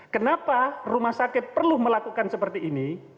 kenapa rumah sakit perlu melakukan seperti ini